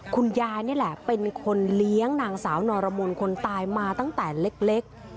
คุณยายนี่แหละเป็นคนเลี้ยงนางสาวนรมนคนตายมาตั้งแต่เล็ก